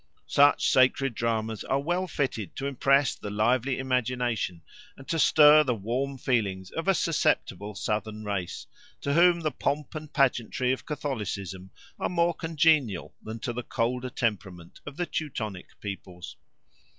Such sacred dramas are well fitted to impress the lively imagination and to stir the warm feelings of a susceptible southern race, to whom the pomp and pageantry of Catholicism are more congenial than to the colder temperament of the Teutonic peoples.